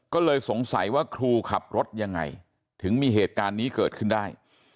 ก็เลยสงสัยว่าครูขับรถยังไงถึงมีเหตุการณ์นี้เกิดขึ้นได้